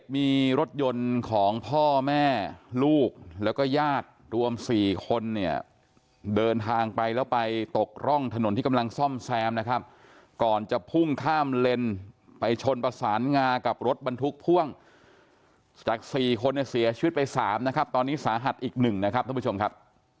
มีรถยนต์ของพ่อแม่ลูกแล้วก็ญาติรวม๔คนเนี่ยเดินทางไปแล้วไปตกร่องถนนที่กำลังซ่อมแซมนะครับก่อนจะพุ่งข้ามเลนไปชนประสานงากับรถบรรทุกพ่วงจาก๔คนเนี่ยเสียชีวิตไป๓นะครับตอนนี้สาหัสอีกหนึ่งนะครับท่านผู้ชมครับ